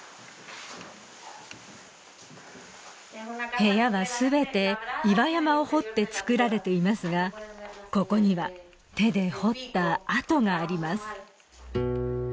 部屋はすべて岩山を掘ってつくられていますがここには手で掘ったあとがあります